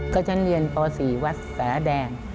ก็ฉันเรียนป๔วัฒนศ์แสระแดง